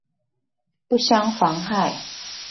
不相妨害